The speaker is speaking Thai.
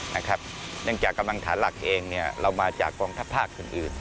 เนื่องจากกำลังฐานหลักเองเรามาจากกองทัพภาคอื่น